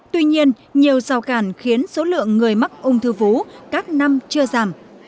tuy nhiên nhiều rào cản khiến số lượng người mắc ung thư vú các năm chưa giảm